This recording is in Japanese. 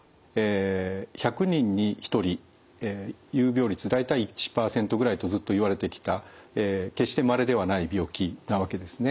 １００人に１人有病率大体１％ぐらいとずっといわれてきた決してまれではない病気なわけですね。